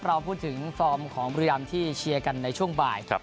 เราพูดถึงฟอร์มของบุรีรำที่เชียร์กันในช่วงบ่าย